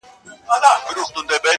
افسر وویل تا وژنم دلته ځکه -